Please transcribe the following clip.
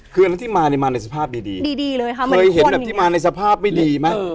คืออันนั้นที่มาเนี่ยมาในสภาพดีดีเลยค่ะเคยเห็นแบบที่มาในสภาพไม่ดีไหม